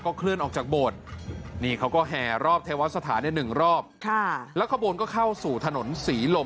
เคลื่อนออกจากโบสถ์นี่เขาก็แห่รอบเทวสถานในหนึ่งรอบแล้วขบวนก็เข้าสู่ถนนศรีลม